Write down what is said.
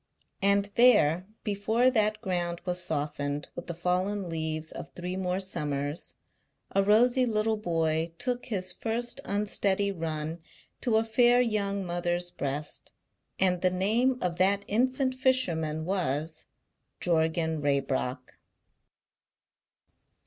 And there, before that ground was softened with the fallen leaves of three more summers, a rosy little boy took his first unsteady run to a fair young mother's breast, and the name of that infant fisherman was Jorgan Raybrock.